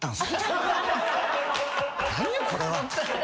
何やこれは。